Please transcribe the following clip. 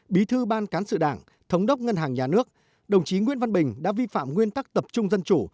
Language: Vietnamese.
bí thư ban cán sự đảng thống đốc ngân hàng nhà nước đồng chí nguyễn văn bình đã vi phạm nguyên tắc tập trung dân chủ